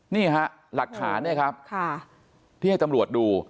นี่ฮะหลักฐานเนี่ยครับที่ให้ตำรวจดู